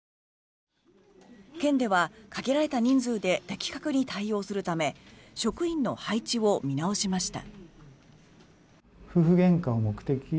県では限られた人数で的確に対応するため職員の配置を見直しました。